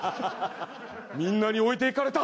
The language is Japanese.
みんなに置いていかれた！